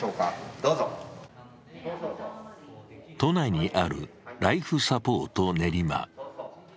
都内にあるライフサポートねりま。